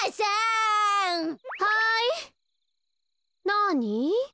なに？